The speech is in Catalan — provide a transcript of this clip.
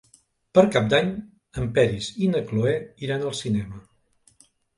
Per Cap d'Any en Peris i na Cloè iran al cinema.